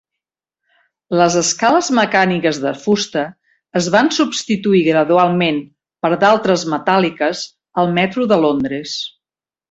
Les escales mecàniques de fusta es van substituir gradualment per d"altres metàl·liques al metro de Londres.